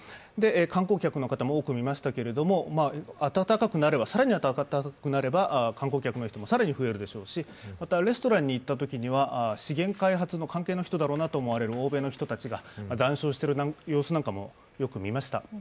観光客の方も多くいましたけど、更に暖かくなれば観光客の方も更に増えますしまたレストランに行ったときには、資源開発の関係の人だろうと思われる欧米の人たちが談笑している様子なんかもよく見ました。